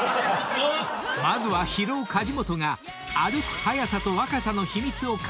［まずは疲労梶本が歩く速さと若さの秘密を解説］